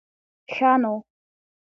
ښه نو.